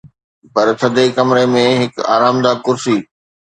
پر ٿڌي ڪمري ۾ هڪ آرامده ڪرسي